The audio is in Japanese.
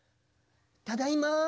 ただいま。